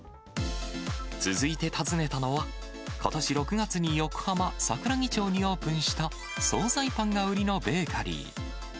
続いて訪ねたのは、ことし６月に横浜・桜木町にオープンした総菜パンが売りのベーカリー。